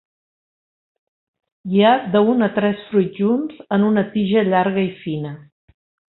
Hi ha de un a tres fruits junts en una tija llarga i fina.